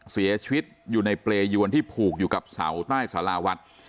เสียชีวิตอยู่ในเปรยวนที่ผูกอยู่กับเสาใต้สาราวัด